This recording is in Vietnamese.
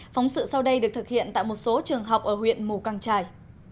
phóng sự sau đây được thực hiện tại một số trường học ở huyện mù căng trải